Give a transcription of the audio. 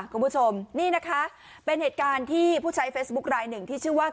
คุณผู้ชมนี่นะคะเป็นเหตุการณ์ที่ผู้ใช้เฟซบุ๊คลายหนึ่งที่ชื่อว่า